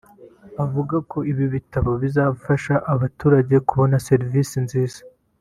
avuga ko ibi bitabo bizafasha abaturage kubona serivisi nziza